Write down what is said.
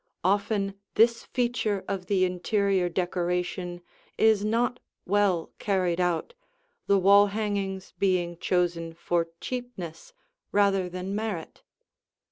Often this feature of the interior decoration is not well carried out, the wall hangings being chosen for cheapness rather than merit.